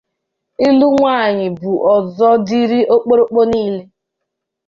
Ịlụ nwaanyị bụ ọzọ dịịrị okokporo niile